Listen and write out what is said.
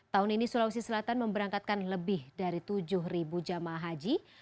tahun ini sulawesi selatan memberangkatkan lebih dari tujuh jamaah haji